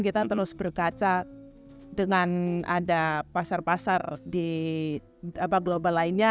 kita terus berkaca dengan ada pasar pasar di global lainnya